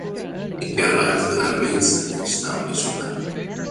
Niki arrives with her mates and takes down each of them.